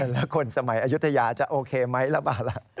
แล้วคนสมัยอายุทยาจะโอเคไหมระบาดล่ะ